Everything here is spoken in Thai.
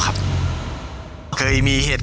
ครับก็จากงานสับปะเหลอโลก